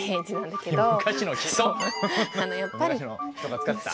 昔の人が使ってた？